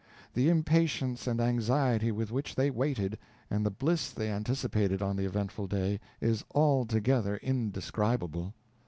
The impatience and anxiety with which they waited, and the bliss they anticipated on the eventful day, is altogether indescribable.